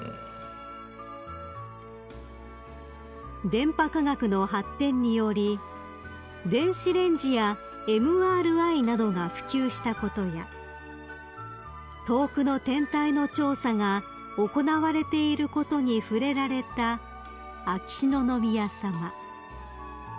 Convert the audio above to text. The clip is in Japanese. ［電波科学の発展により電子レンジやＭＲＩなどが普及したことや遠くの天体の調査が行われていることに触れられた秋篠宮さま］